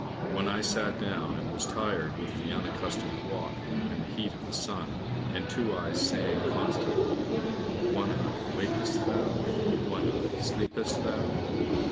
One eye sat down and was tired with the unaccustomed walk and the heat of the sun, and Two eyes sang constantly, "One eye, wakest thou? One eye, sleepest thou?"